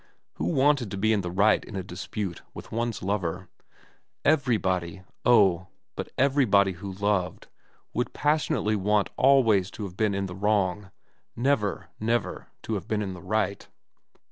Who wanted to be in the right in a dispute with one's lover ? Everybody, oh, but everybody who loved, would passionately want always to have been in the wrong, never, never to have been right.